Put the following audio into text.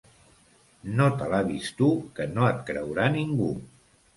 No t'alabis tu, que no et creurà ningú.